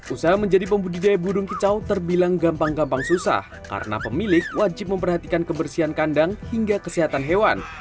usaha menjadi pembudidaya burung kicau terbilang gampang gampang susah karena pemilik wajib memperhatikan kebersihan kandang hingga kesehatan hewan